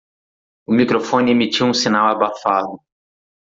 O microfone emitiu um sinal abafado.